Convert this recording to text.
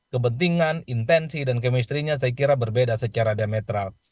kepentingan intensi dan kemistrinya saya kira berbeda secara diametral